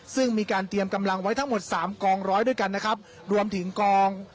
ซึ่งมีการเตรียมกำลังไว้ทั้งหมดสามกองร้อยด้วยกันนะครับรวมถึงกอง